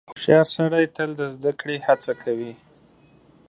• هوښیار سړی تل د زدهکړې هڅه کوي.